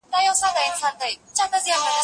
ليک ولوله؟!